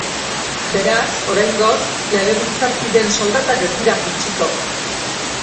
Beraz, oraingoz, legebiltzarkideen soldatak ez dira jaitsiko.